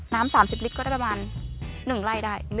๓๐ลิตรก็ได้ประมาณ๑ไร่ได้